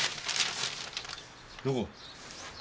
どこ？